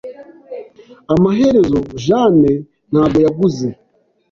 Amaherezo, Jane ntabwo yaguze.